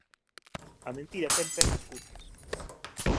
A mentira ten pernas curtas.